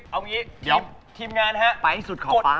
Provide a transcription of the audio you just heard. เอาอย่างนี้ทีมงานฮะไปสุดขอบพ่อ